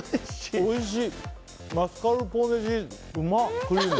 おいしい。